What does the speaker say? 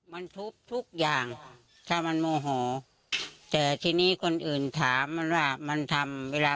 มึงไม่น่าทับเลยเนาะ